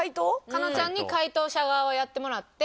加納ちゃんに回答者側をやってもらって。